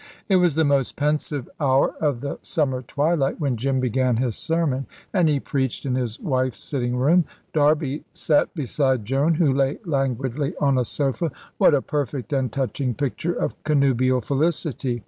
It was the most pensive hour of the summer twilight when Jim began his sermon, and he preached in his wife's sitting room. Darby sat beside Joan, who lay languidly on a sofa. What a perfect and touching picture of connubial felicity!